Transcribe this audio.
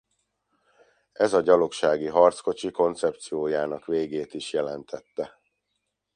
Ez a gyalogsági harckocsi koncepciójának végét is jelentette.